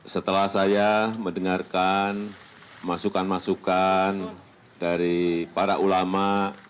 setelah saya mendengarkan masukan masukan dari para ulama